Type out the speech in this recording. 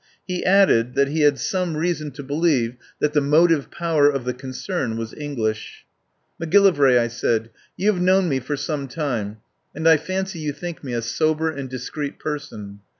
He added that he had some rea 125 THE POWER HOUSE son to believe that the motive power of the concern was English. "Macgillivray," I said, "you have known me for some time, and I fancy you think me a sober and discreet person.